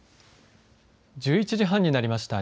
１１時半になりました。